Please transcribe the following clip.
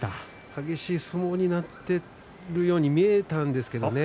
激しい相撲になっているように見えたんですけれどね。